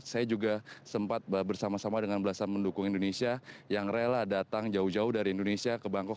saya juga sempat bersama sama dengan belasan pendukung indonesia yang rela datang jauh jauh dari indonesia ke bangkok